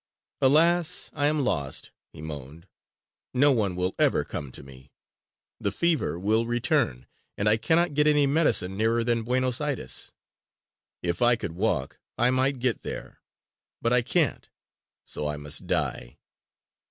"Alas, I am lost!" he moaned. "No one will ever come to me. The fever will return, and I cannot get any medicine nearer than Buenos Aires. If I could walk, I might get there; but I can't, so I must die!"